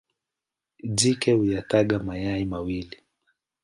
Jike huyataga mayai mawili.